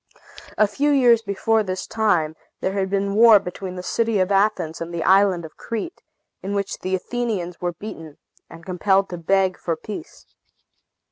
A few years before this time, there had been a war between the city of Athens and the island of Crete, in which the Athenians were beaten, and compelled to beg for peace.